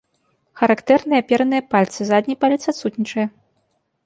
Характэрныя апераныя пальцы, задні палец адсутнічае.